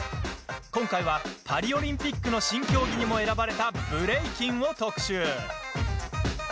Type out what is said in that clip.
今回は、パリ・オリンピックの新競技にも選ばれたブレイキンを特集。